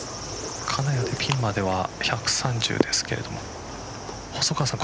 金谷はピンまでは１３０ですけど細川さん